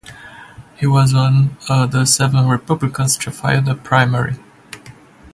He was one of seven Republicans to file for the primary.